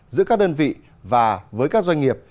giữa các đơn vị và với các doanh nghiệp